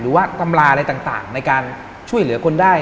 หรือว่าตำราอะไรต่างในการช่วยเหลือคนได้